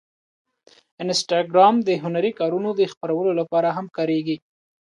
انسټاګرام د هنري کارونو د خپرولو لپاره هم کارېږي.